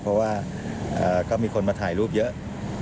เพราะว่าก็มีคนมาถ่ายรูปเยอะ